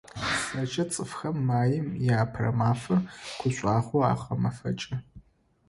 ЗэкӀэ цӀыфхэм Маим и Апэрэ мафэр гушӀуагъоу агъэмэфэкӀы.